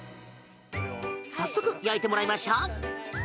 早速、焼いてもらいましょう。